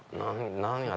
何や？